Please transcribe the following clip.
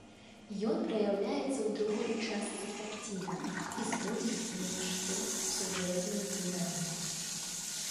Ён праяўляецца ў другой частцы карціны і зводзіць на нішто сюжэтную дынаміку.